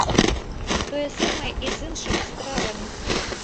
Тое самае і з іншымі стравамі.